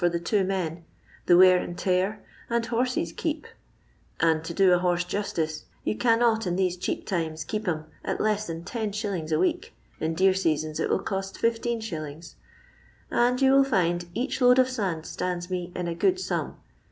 for the two man, the wear and tear, and horse's keep Qttidi to do a horse justice, you cannot in these map timaa keep him at less than 10s. a weelc, in dear leasont, it will cost 16«.), and you will faxi each load of Mnd stands me in a good sum.